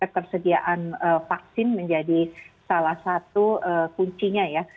ketersediaan vaksin menjadi salah satu kuncinya ya